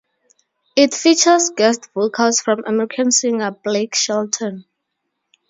It features guest vocals from American singer Blake Shelton.